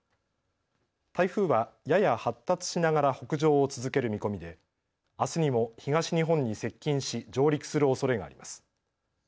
台風はやや発達しながら北上を続ける見込みであすにも東日本に接近し上陸するおそれがあります。